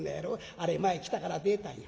あれ前キタから出たんや」。